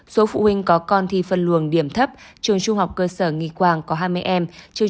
số phụ huynh có con thi phân luồng điểm thấp trường trung học cơ sở nghị quang có hai mươi em